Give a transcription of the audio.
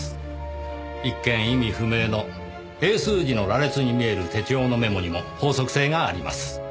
一見意味不明の英数字の羅列に見える手帳のメモにも法則性があります。